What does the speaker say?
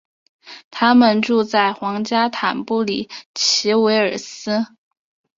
他们住在皇家坦布里奇韦尔斯。